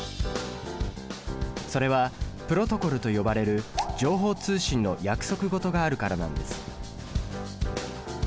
それはプロトコルと呼ばれる情報通信の約束事があるからなんです。